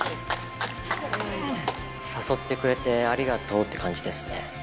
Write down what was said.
誘ってくれてありがとうって感じですね。